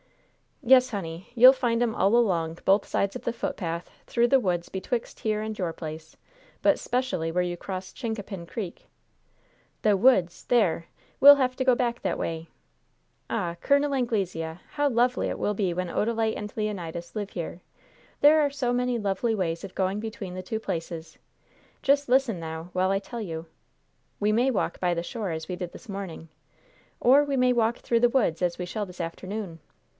"Yes, honey, you'll find 'em all along both sides of the footpath through the woods betwixt here and your place, but 'specially where you cross Chincapin Creek." "The woods! There! We'll have to go back that way. Ah, Col. Anglesea, how lovely it will be when Odalite and Leonidas live here! There are so many lovely ways of going between the two places. Just listen now while I tell you. We may walk by the shore, as we did this morning, or we may walk through the woods, as we shall this afternoon.